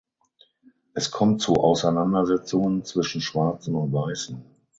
Es kommt zu Auseinandersetzungen zwischen Schwarzen und Weißen.